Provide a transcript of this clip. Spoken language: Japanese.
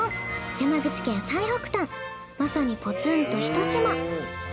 山口県最北端まさにポツンとひと島。